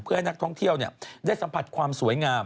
เพื่อให้นักท่องเที่ยวได้สัมผัสความสวยงาม